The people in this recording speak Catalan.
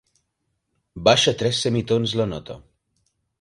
Baixa tres semitons la nota.